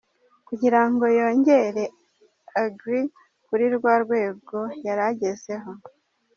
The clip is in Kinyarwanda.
Kugira ngo yongere agree kuri rwa rwego yari agezeho".